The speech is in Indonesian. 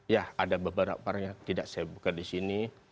ya ada beberapa barang yang tidak saya buka di sini